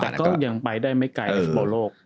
แต่ก็ยังไปได้ไม่ไกลในฟุตบอลโลก